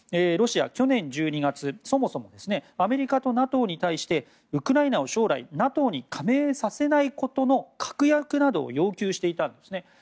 ロシア、去年１２月アメリカとＮＡＴＯに対してウクライナを将来ＮＡＴＯに加盟させないことの確約などを要求していたんですね。